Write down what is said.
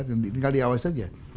tinggal diawas saja